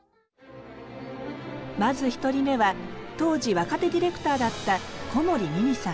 まず１人目は当時若手ディレクターだった小森美巳さん。